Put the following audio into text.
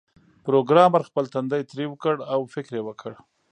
پروګرامر خپل تندی ترېو کړ او فکر یې وکړ